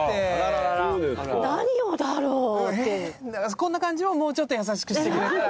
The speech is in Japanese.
こんな感じをもうちょっと優しくしてくれたら。